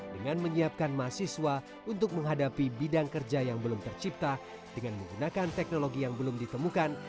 dengan menyiapkan mahasiswa untuk menghadapi bidang kerja yang belum tercipta dengan menggunakan teknologi yang belum ditemukan